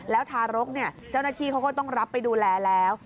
แล้วทารกเจ้าหน้าที่เขาก็ต้องรับไปดูแลแล้ว